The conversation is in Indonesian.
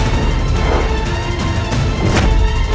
masa itu kekis